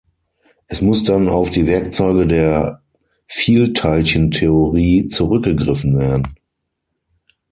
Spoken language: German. Es muss dann auf die Werkzeuge der Vielteilchentheorie zurückgegriffen werden.